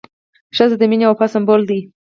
ښځه د مینې او وفا سمبول ده.